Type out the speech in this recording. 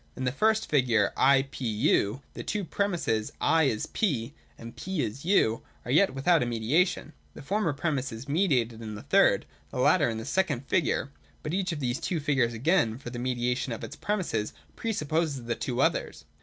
In the first figure I — P — U the two premisses I is P and P is U are yet without a mediation. The former premiss is mediated in the third, the latter in the second figure. But each 324 THE DOCTRINE OF THE NOTION. [189, 190. of these two figures, again, for the mediation of its pre misses pre supposes the two others.